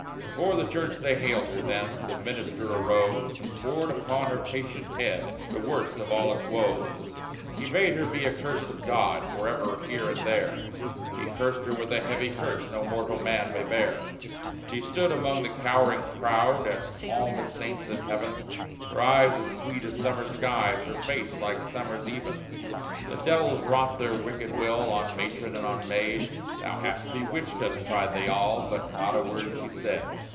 Before the church they haled her then; The minister arose And poured upon her patient head The worst of all its woes: He bade her be accursed of God Forever here and there; He cursed her with a heavy curse No mortal man may bear. She stood among the cowering crowd As calm as saints in heaven, Her eyes as sweet as summer skies, Her face like summer's even. The devils wrought their wicked will On matron and on maid. "Thou hast bewitched us!" cried they all, But not a word she said.